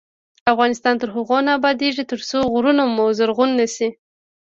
افغانستان تر هغو نه ابادیږي، ترڅو غرونه مو زرغون نشي.